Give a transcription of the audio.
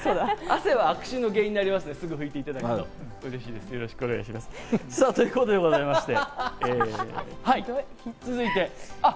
汗は悪臭の原因になりますから、すぐに拭いていただきたい。ということでございまして、続いて。